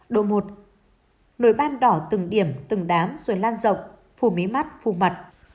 độ một nồi ban đỏ từng điểm từng đám rồi lan rộng phù mỹ mắt phù mặt